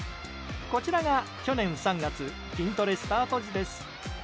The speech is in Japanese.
こちらが、去年３月筋トレスタート時です。